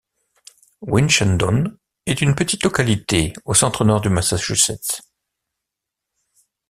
Winchendon est une petite localité au centre-nord du Massachusetts.